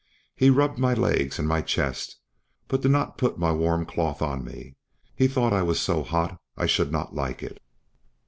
He rubbed my legs and my chest, but he did not put my warm cloth on me; he thought I was so hot I should not like it.